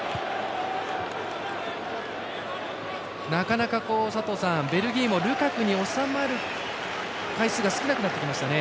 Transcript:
なかなか佐藤さん、ベルギーもルカクにおさまる回数が少なくなってきましたね。